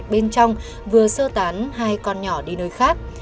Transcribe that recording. anh bằng ở bên trong vừa sơ tán hai con nhỏ đi nơi khác